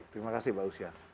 terima kasih pak usia